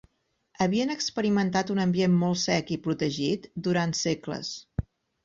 Havien experimentat un ambient molt sec i protegit durant segles.